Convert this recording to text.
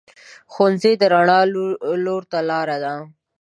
ښوونځی د رڼا لور ته لار ده